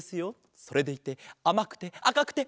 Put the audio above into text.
それでいてあまくてあかくておいしい！